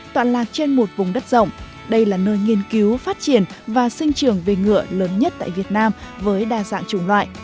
toạn lạc trên một vùng đất rộng đây là nơi nghiên cứu phát triển và sinh trường về ngựa lớn nhất tại việt nam với đa dạng chủng loại